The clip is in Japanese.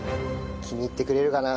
気に入ってくれるかな？